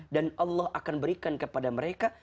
dan allah akan berikan kepada mereka